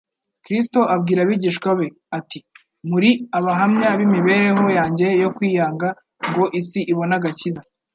Kristo abwira abigishwa be, ati : muri abahamya b'imibereho yanjye yo kwiyanga ngo isi ibone agakiza.